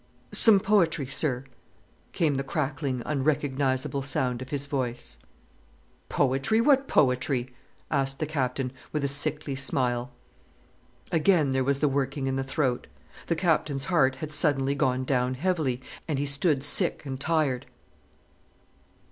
"Some poetry, sir," came the crackling, unrecognizable sound of his voice. "Poetry, what poetry?" asked the Captain, with a sickly smile. Again there was the working in the throat. The Captain's heart had suddenly gone down heavily, and he stood sick and tired.